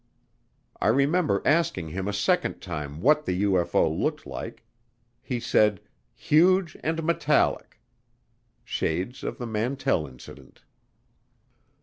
I remember asking him a second time what the UFO looked like; he said, "huge and metallic" shades of the Mantell Incident.